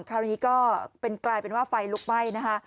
คราวนี้ก็กลายเป็นว่าไฟลุกไหม้นะคะ